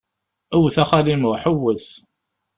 Wwet a xali Muḥ, wwet!